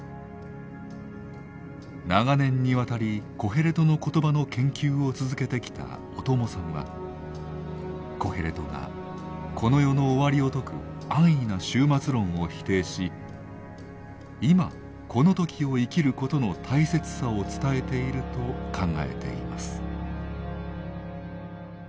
長年にわたり「コヘレトの言葉」の研究を続けてきた小友さんはコヘレトがこの世の終わりを説く安易な終末論を否定し「今この時を生きる」ことの大切さを伝えていると考えています。